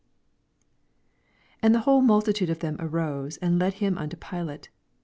1 And the whole multitude of them arose, and led him unto Filate.